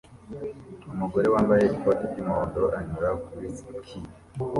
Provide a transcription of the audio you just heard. Umugore wambaye ikoti ry'umuhondo anyura kuri skisi